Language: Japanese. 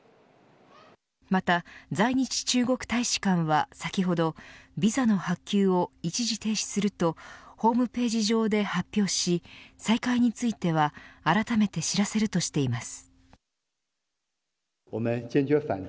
また、在日中国大使館は先ほどビザの発給を一時停止するとホームページ上で発表し再開についてはあらためて知らせるとしています。